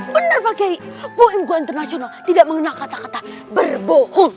bener pakai buimku international tidak mengenal kata kata berbohong